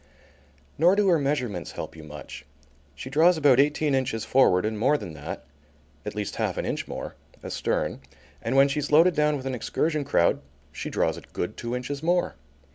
Nor do her measurements help you much. She draws about eighteen inches forward, and more than that, at least half an inch more, astern, and when she's loaded down with an excursion crowd she draws a good two inches more.